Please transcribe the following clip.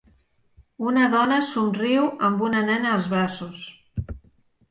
Una dona somriu amb una nena als braços.